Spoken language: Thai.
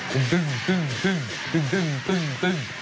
ตึงตึงตึงตึงตึงตึงตึงตึงตึงตึงตึง